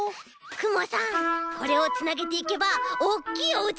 くもさんこれをつなげていけばおっきいおうちができるよ。